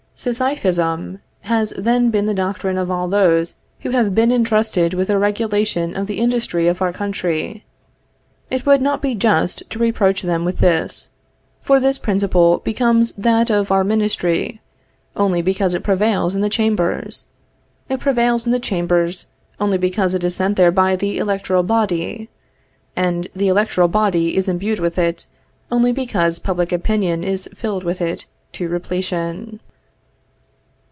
Sisyphism has then been the doctrine of all those who have been intrusted with the regulation of the industry of our country. It would not be just to reproach them with this; for this principle becomes that of our ministry, only because it prevails in the chambers; it prevails in the chambers, only because it is sent there by the electoral body; and the electoral body is imbued with it, only because public opinion is filled with it to repletion.